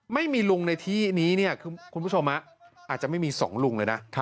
ไม่มีลุงในที่นี้เนี่ยคุณผู้ชมอาจจะไม่มี๒ลุงเลยนะ